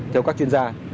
theo các chuyên gia